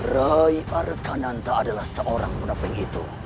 rai arkananta adalah seorang punapa yang itu